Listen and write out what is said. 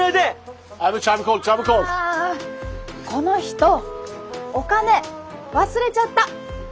あこの人お金忘れちゃった！